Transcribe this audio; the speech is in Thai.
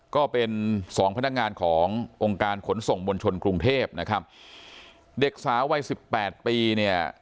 ก็เป็นสองพนักงานขององค์การขนส่งมวลชนกรุงเทพนะครับเด็กสาววัยสิบแปดปีเนี่ย